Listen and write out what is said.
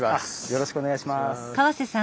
よろしくお願いします。